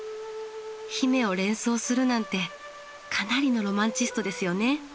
姫を連想するなんてかなりのロマンチストですよね。